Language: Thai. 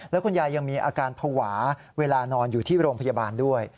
แล้วคุณยายยังมีอาการภาวะเวลานอนอยู่ที่โรงพยาบาลด้วย